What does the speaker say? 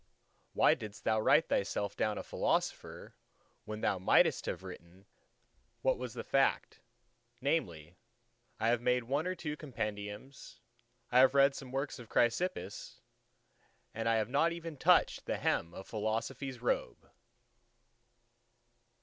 why didst thou write thyself down a philosopher, when thou mightest have written what was the fact, namely, "I have made one or two Compendiums, I have read some works of Chrysippus, and I have not even touched the hem of Philosophy's robe!"